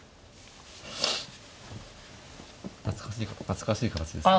懐かしい形ですよね。